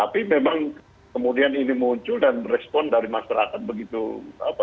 tapi memang kemudian ini muncul dan respon dari masyarakat begitu